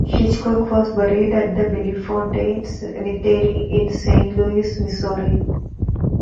Hitchcock was buried at the Bellefontaine Cemetery in Saint Louis, Missouri.